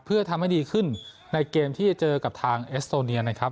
เพื่อทำให้ดีขึ้นในเกมที่จะเจอกับทางเอสโตเนียนะครับ